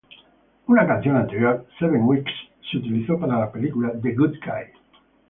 Una canción anterior, "Seven Weeks", se utilizó para la película The Good Guy.